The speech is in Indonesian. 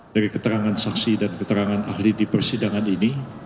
dari keterangan saksi dan keterangan ahli di persidangan ini